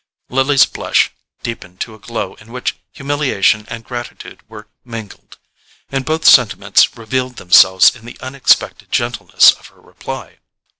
Lily's blush deepened to a glow in which humiliation and gratitude were mingled; and both sentiments revealed themselves in the unexpected gentleness of her reply.